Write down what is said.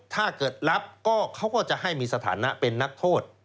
ถ้าเกิดรับก็เขาก็จะให้มีสถานะเป็นนักโทษ